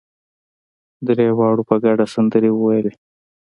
درېواړو په ګډه سندرې وويلې.